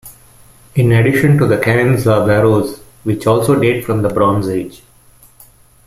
In addition to the cairns are barrows, which also date from the Bronze Age.